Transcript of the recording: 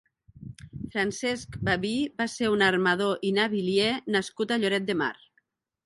Francesc Baví va ser un armador i navilier nascut a Lloret de Mar.